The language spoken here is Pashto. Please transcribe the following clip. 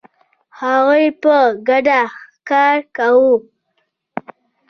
هغوی په ګډه ښکار کاوه.